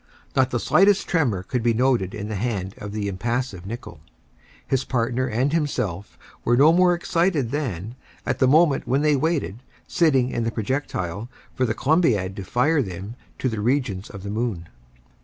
Not the slightest tremor could be noted in the hand of the impassive Nicholl. His partner and himself were no more excited than, at the moment when they waited, sitting in the projectile, for the Columbiad to fire them to the regions of the moon.